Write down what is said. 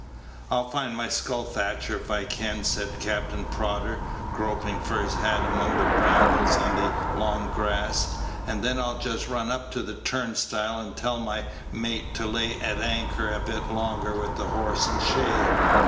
I'll find my skull thatcher if I can," said Captain Prodder, groping for his hat among the brambles and the long grass, "and then I'll just run up to the turnstile and tell my mate to lay at anchor a bit longer with the horse and shay.